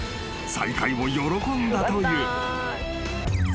再会を喜んだという］